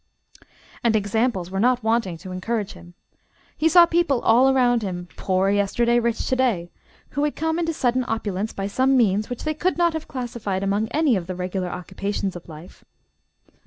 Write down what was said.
And examples were not wanting to encourage him. He saw people, all around him, poor yesterday, rich to day, who had come into sudden opulence by some means which they could not have classified among any of the regular occupations of life.